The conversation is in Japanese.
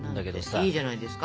いいじゃないですか。